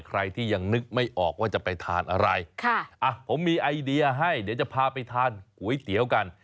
ใครที่ยังนึกไม่ออกว่าจะไปทานอะไรผมมีไอเดียให้เดี๋ยวจะพาไปทานก๋วยเตี๋ยวกัน